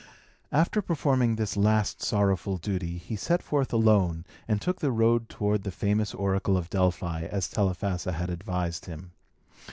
After performing this last sorrowful duty, he set forth alone, and took the road toward the famous oracle of Delphi, as Telephassa had advised him.